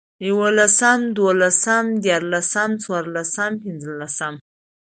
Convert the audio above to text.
يوولسم، دوولسم، ديارلسم، څلورلسم، پنځلسم